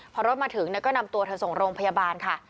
พอรถมาถึงก็นำตัวเธอส่งโรงพยาบาลค่ะ